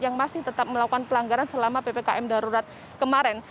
yang masih tetap melakukan pelanggaran selama ppkm darurat kemarin